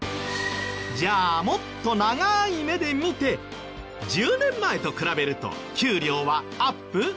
じゃあもっと長い目で見て１０年前と比べると給料はアップ？